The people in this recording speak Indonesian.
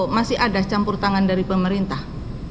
masih ada campur tangan dari pemerintah